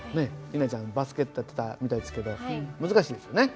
里奈ちゃんバスケットやってたみたいですけど難しいですよね。